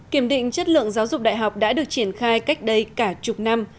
kiểm định chất lượng giáo dục đại học đã được triển khai cách đây cả chục năm